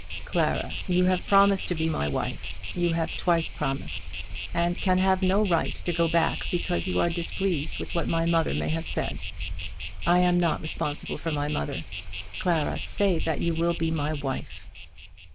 "Clara, you have promised to be my wife. You have twice promised; and can have no right to go back because you are displeased with what my mother may have said. I am not responsible for my mother. Clara, say that you will be my wife."